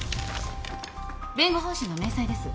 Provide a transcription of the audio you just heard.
弁護報酬の明細です。